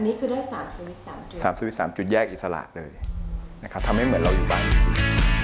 อันนี้คือได้๓๓จุดแยกอิสระเลยทำให้เหมือนเราอยู่บ้านจริง